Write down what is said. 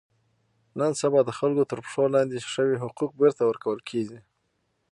نن سبا د خلکو تر پښو لاندې شوي حقوق بېرته ور کول کېږي.